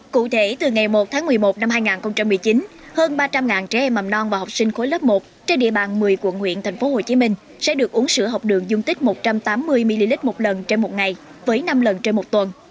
cụ thể từ ngày một tháng một mươi một năm hai nghìn một mươi chín hơn ba trăm linh trẻ em mầm non và học sinh khối lớp một trên địa bàn một mươi quận nguyện tp hcm sẽ được uống sữa học đường dung tích một trăm tám mươi ml một lần trên một ngày với năm lần trên một tuần